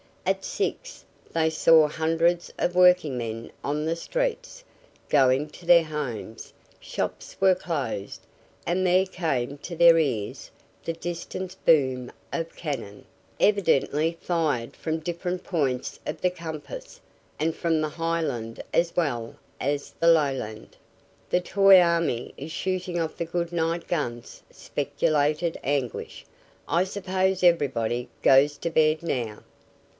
At six they saw hundreds of workingmen on the streets, going to their homes; shops were closed and there came to their ears the distant boom of cannon, evidently fired from different points of the compass and from the highland as well as the lowland. "The toy army is shooting off the good night guns," speculated Anguish. "I suppose everybody goes to bed now.